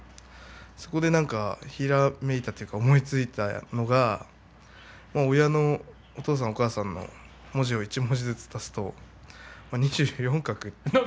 そこで、ひらめいたというか思いついたのが親のお父さん、お母さんの文字を一文字ずつ足すと２４画。